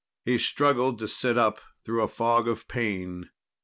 He struggled to sit up through a fog of pain.